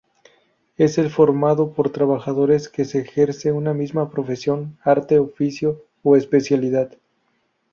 Es el formado por trabajadores que ejercen una misma profesión, arte, oficio o especialidad.